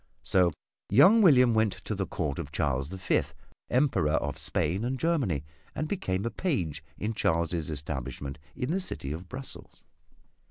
So young William went to the Court of Charles the Fifth, Emperor of Spain and Germany, and became a page in Charles' establishment in the city of Brussels.